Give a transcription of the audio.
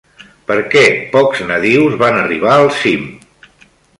Per què pocs nadius van arribar al cim?